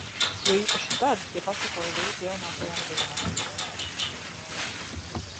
Jo īpaši tad, ja pasekoju līdzi jaunākajām ziņām...